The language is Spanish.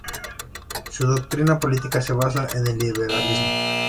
Su doctrina política se basa en el liberalismo.